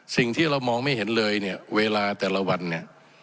สิ่งที่เรามองไม่เห็นเลยเนี่ยเวลาแต่ละวันเนี่ย